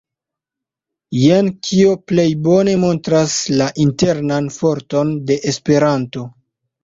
Jen, kio plej bone montras la internan forton de Esperanto.